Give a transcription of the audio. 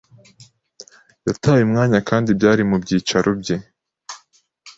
yataye umwanya kandi byari mu byicaro bye